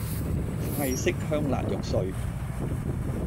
泰式香辣肉碎